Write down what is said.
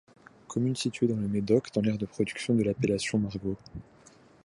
Commune située dans le Médoc dans l'aire de production de l'appellation margaux.